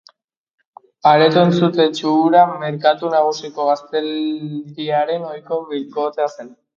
Areto entzutetsu hura merkatu nagusiko gazteriaren ohiko biltokia zen.